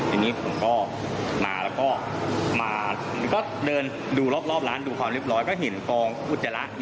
เอ๊ะกองนู้นน่ะเหรอวะ